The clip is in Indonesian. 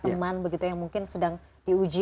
teman begitu yang mungkin sedang diuji